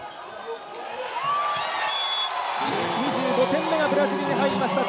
２５点目がブラジルに入りました。